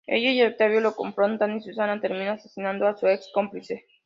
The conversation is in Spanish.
Ella y Octavio lo confrontan y Susana termina asesinando a su ex-cómplice.